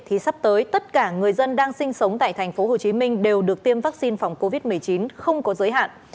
thì sắp tới tất cả người dân đang sinh sống tại thành phố hồ chí minh đều được tiêm vaccine phòng covid một mươi chín không có giới hạn